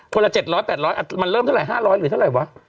ละ๗๐๐๘๐๐มันเริ่มเท่าไห๕๐๐หรือเท่าไหร่วะ